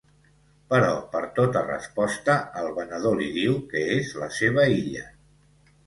Però per tota resposta el venedor li diu que és la seva illa.